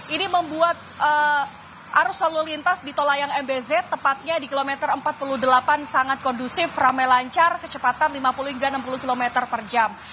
ini membuat arus lalu lintas di tol layang mbz tepatnya di kilometer empat puluh delapan sangat kondusif ramai lancar kecepatan lima puluh hingga enam puluh km per jam